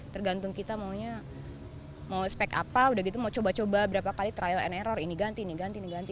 tergantung kita maunya mau spek apa udah gitu mau coba coba berapa kali trial and error ini ganti nih ganti ini ganti